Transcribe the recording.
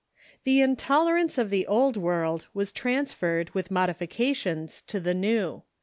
] The intolerance of the Old World Avas transferred, with modifications, to the New.